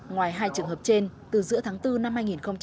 ngoài hai trường hợp trên từ giữa tháng bốn năm hai nghìn một mươi sáu